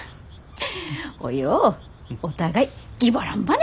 およ。お互いぎばらんばね！